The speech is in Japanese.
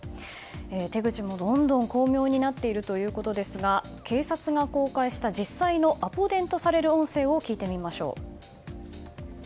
手口もどんどん巧妙になっているということですが警察が公開した実際のアポ電とされる音声を聞いてみましょう。